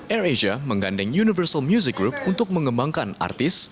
air asia menggandeng universal music group untuk mengembangkan artis